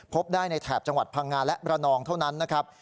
พบได้ในแถบจังหวัดพังงาและระนองเท่านั้นนะครับ